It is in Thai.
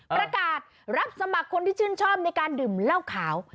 ประกาศรับสมัครคนที่ชื่นชอบในการดื่มเหล้าขาว